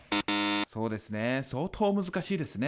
そうですね相当難しいですね。